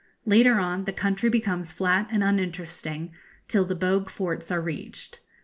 Later on the country becomes flat and uninteresting till the Bogue Forts are reached.